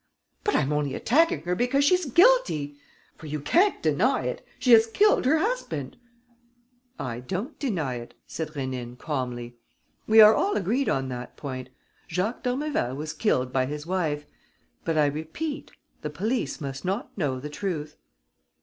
"But I'm only attacking her because she's guilty. For you can't deny it: she has killed her husband." "I don't deny it," said Rénine, calmly. "We are all agreed on that point. Jacques d'Ormeval was killed by his wife. But, I repeat, the police must not know the truth."